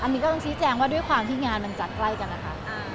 สิทธิแจงว่าด้วยความที่งานมันจัดใกล้กันนะคะ